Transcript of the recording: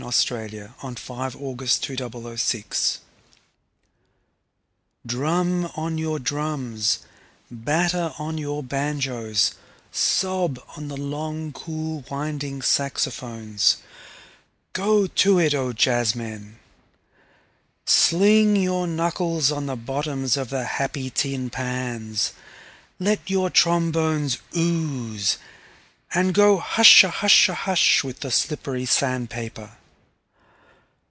III. Broken Face Gargoyles 6. Jazz Fantasia DRUM on your drums, batter on your banjoes, sob on the long cool winding saxophones. Go to it, O jazzmen. Sling your knuckles on the bottoms of the happy tin pans, let your trombones ooze, and go hushahusha hush with the slippery sand paper.